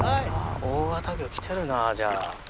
大型魚来てるなじゃあ。